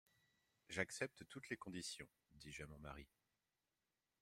J'accepte toutes les conditions, dis-je à mon mari.